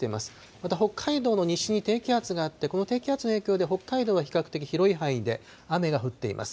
また北海道の西に低気圧があって、この低気圧の影響で、北海道は比較的、広い範囲で雨が降っています。